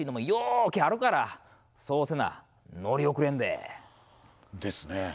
うけあるからそうせな、乗り遅れんで。ですね。